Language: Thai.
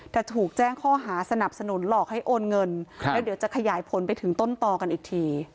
แต่ถูกแจ้งข้อหาสนับสนุนหลอกให้โอนเงินแล้วเดี๋ยวจะขยายผลไปถึงต้นต่อกันอีกที